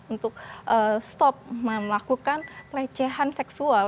untuk stop melakukan pelecehan seksual